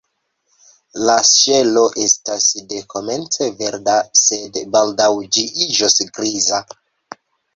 La ŝelo estas dekomence verda, sed baldaŭ ĝi iĝos griza.